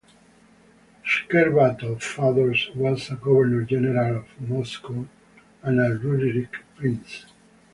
Scherbatov's father was a governor-general of Moscow and a Rurikid prince.